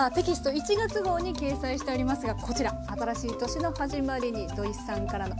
１月号に掲載しておりますがこちら新しい年の始まりに土井さんからのお言葉も是非読んでみて下さい。